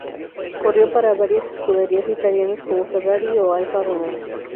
Corrió para varias escuderías italianas como Ferrari o Alfa Romeo.